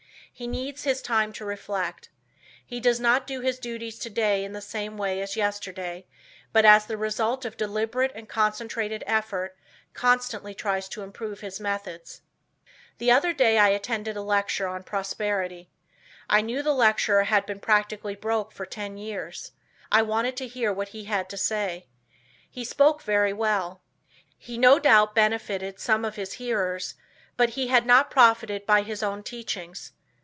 He needs his time to reflect. He does not do his duties today in the same way as yesterday, but as the result of deliberate and concentrated effort, constantly tries to improve his methods. The other day I attended a lecture on Prosperity. I knew the lecturer had been practically broke for ten years. I wanted to hear what he had to say. He spoke very well. He no doubt benefited some of his hearers, but he had not profited by his own teachings.